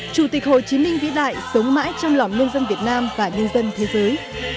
chủ tịch hồ chí minh vĩ đại sống mãi trong lòng nhân dân việt nam và nhân dân thế giới